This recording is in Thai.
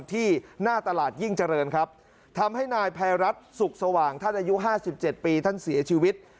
ที่หน้าตลาดยิ่งเจริญครับทำให้นายภัยรัฐสุขสว่างท่านอายุ๕๗ปีท่านเสียชีวิต